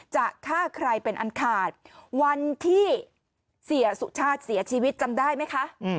จะฆ่าใครเป็นอันขาดวันที่เสียสุชาติเสียชีวิตจำได้ไหมคะ